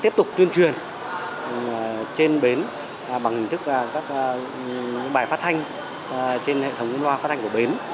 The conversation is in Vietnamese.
bản thân trên bến bằng hình thức các bài phát thanh trên hệ thống loa phát thanh của bến